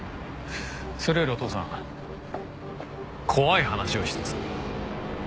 それよりお父さん怖い話を一つ。